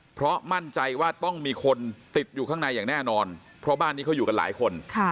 เพราะมั่นใจว่าต้องมีคนติดอยู่ข้างในอย่างแน่นอนเพราะบ้านนี้เขาอยู่กันหลายคน